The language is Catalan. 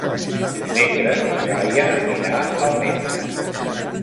Dimecres na Laia anirà al metge.